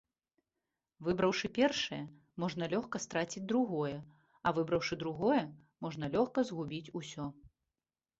Выбраўшы першае, можна лёгка страціць другое, а выбраўшы другое, можна лёгка згубіць усё.